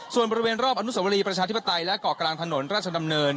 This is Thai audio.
ส่วนบริเวณรอบอนุสวรีประชาธิปไตยและเกาะกลางถนนราชดำเนิน